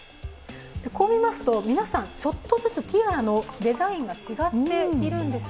こう見ますと、皆さん、ちょっとずつティアラのデザインが違っているんです。